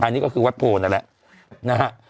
อันนี้ก็คือวัดโพนั่นแหละนะฮะ